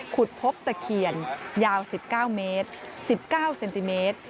ขุดพบตะเคียนยาว๑๙เมตร๑๙เซนติเมตร